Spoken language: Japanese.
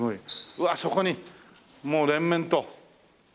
うわっそこにもう連綿と。